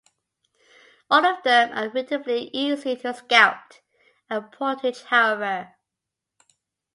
All of them are relatively easy to scout and portage, however.